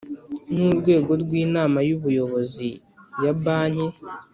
n Urwego rw Inama y Ubuyobozi ya banki